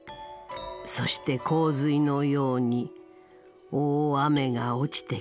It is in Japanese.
そして洪水のように大雨が落ちてくるのだ。